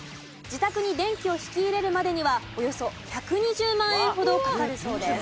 自宅に電気を引き入れるまでにはおよそ１２０万円ほどかかるそうです。